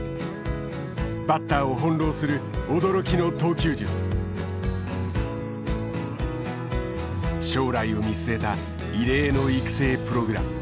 バッターを翻弄する驚きの将来を見据えた異例の育成プログラム。